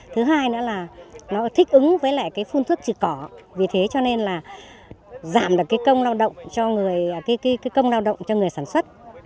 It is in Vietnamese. thứ hai là nó thích ứng với phun thuốc trừ cỏ vì thế cho nên giảm công lao động cho người sản xuất